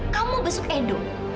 kamu besuk edo